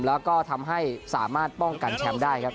แล้วก็ทำให้สามารถป้องกันแชมป์ได้ครับ